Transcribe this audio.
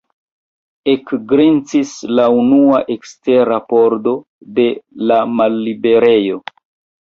Ekgrincis la unua ekstera pordo de la malliberejo.